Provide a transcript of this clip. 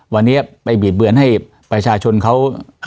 วันนี้ไปบิดเบือนให้ประชาชนเขา